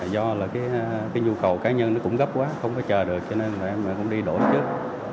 do nhu cầu cá nhân cũng gấp quá không có chờ được cho nên em cũng đi đổi trước